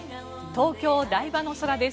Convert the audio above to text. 東京・台場の空です。